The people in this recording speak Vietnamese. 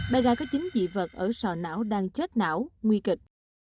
bé gái có chín dị vật ở sò não đang chết não nguy kịch